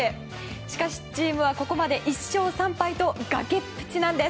しかし、チームはここまで１勝３敗と崖っぷちなんです。